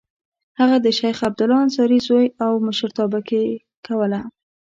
هغه د شیخ عبدالله انصاري زوی و او مشرتابه یې کوله.